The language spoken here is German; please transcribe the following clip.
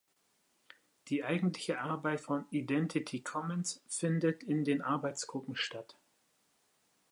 Die eigentliche Arbeit von Identity Commons findet in den Arbeitsgruppen statt.